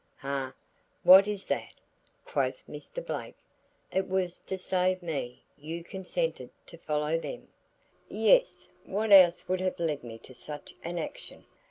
"Ha, what is that?" quoth Mr. Blake. "It was to save me, you consented to follow them?" "Yes; what else would have led me to such an action?